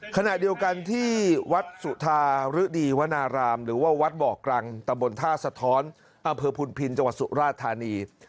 ขณะเดียวกันที่วัดสุธารึดีวนารามหรือว่าวัดบ่อกรังตะบนท่าสะท้อนอำเภอพุนพินจังหวัดสุราธานี